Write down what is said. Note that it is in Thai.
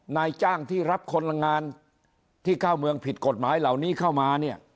นายจ้างที่รับคนละงานที่เข้าเมืองผิดกฎหมายเหล่านี้เข้ามาเนี่ย